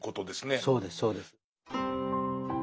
そうですそうです。